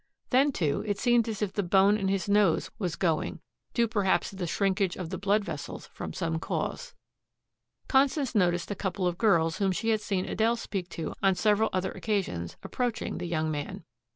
Then, too, it seemed as if the bone in his nose was going, due perhaps to the shrinkage of the blood vessels from some cause. Constance noticed a couple of girls whom she had seen Adele speak to on several other occasions approaching the young man.